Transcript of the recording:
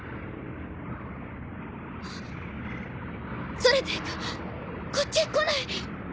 それていくこっちへ来ない。